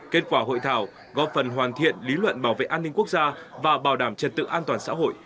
kết quả hội thảo góp phần hoàn thiện lý luận bảo vệ an ninh quốc gia và bảo đảm trật tự an toàn xã hội